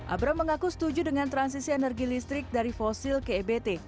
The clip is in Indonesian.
abram mengaku setuju dengan transisi energi listrik dari fosil ke ebt